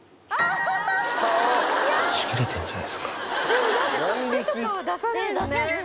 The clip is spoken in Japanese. でも手とかは出さないんだね。